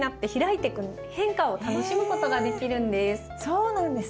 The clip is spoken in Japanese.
そうなんですね。